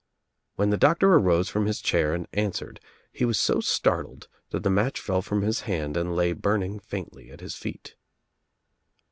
When the doctor arose from his chair and answered he was so startled that the match fell from his hand and lay burning faintly at his feet.